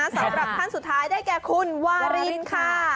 สำหรับท่านสุดท้ายได้แก่คุณวารินค่ะ